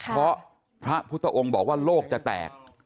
เพราะพระพุทธองค์บอกว่าโลกจะแตก